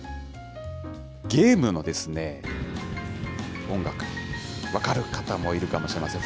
ゲームの音楽、分かる方もいるかもしれません。